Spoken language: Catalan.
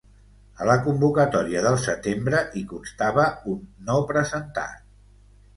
A la convocatòria del setembre, hi constava un ‘no presentat’.